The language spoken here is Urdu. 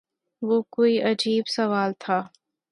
وہ کوئی عجیب سوال تھا